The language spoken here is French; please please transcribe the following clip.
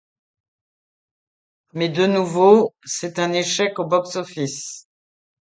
Mais de nouveau, c'est un échec au box-office.